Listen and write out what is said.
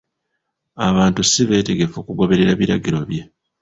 Abantu si beetegefu kugoberera biragiro bye.